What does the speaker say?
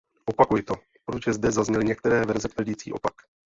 Opakuji to, protože zde zazněly některé verze tvrdící opak.